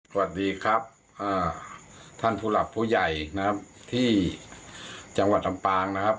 สวัสดีครับท่านผู้หลักผู้ใหญ่นะครับที่จังหวัดลำปางนะครับ